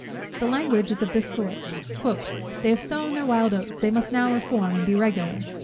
The language is of this sort; "they have sown their wild oats, they must now reform, and be regular."